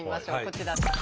こちら。